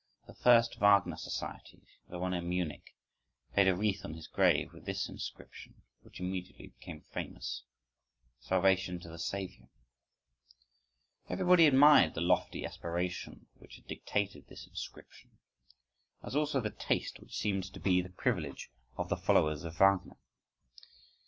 The first Wagner Society, the one in Munich, laid a wreath on his grave with this inscription, which immediately became famous: "Salvation to the Saviour!" Everybody admired the lofty inspiration which had dictated this inscription, as also the taste which seemed to be the privilege of the followers of Wagner.